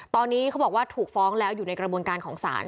ตอนนี้เขาบอกว่าถูกฟ้องแล้วอยู่ในกระบวนการของศาล